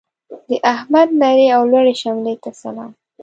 د احمد نرې او لوړې شملې ته سلام.